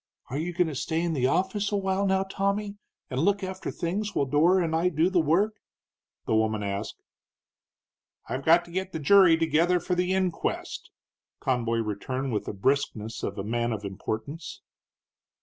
"Are you goin' to stay in the office a while now, Tommy, and look after things while Dora and I do the work?" the woman asked. "I've got to get the jury together for the inquest," Conboy returned, with the briskness of a man of importance.